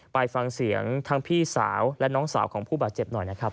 ไปฟังเสียงทั้งพี่สาวและน้องสาวของผู้บาดเจ็บหน่อยนะครับ